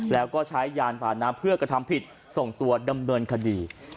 แล้วก็ใช้ยานผ่านน้ำเพื่อกระทำผิดส่งตัวดำเนินคดี